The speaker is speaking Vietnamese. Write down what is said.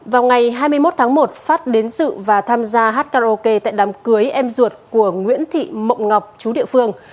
vào ngày hai mươi một tháng một phát đến sự và tham gia hát karaoke tại đám cưới em ruột của nguyễn thị mộng ngọc chú địa phương